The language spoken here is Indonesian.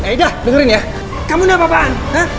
eda dengerin ya kamu ini apaan